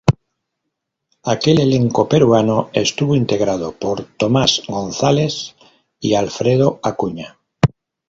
Aquel elenco peruano estuvo integrado por Tomás Gonzáles y Alfredo Acuña.